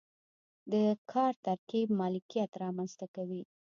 د کار ترکیب مالکیت رامنځته کوي.